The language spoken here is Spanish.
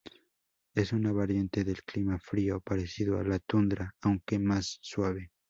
Es una variante del clima frío parecido a la tundra, aunque más suave.